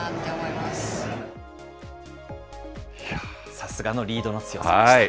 さすがのリードの強さでした。